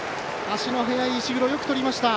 足の速い石黒、よくとりました。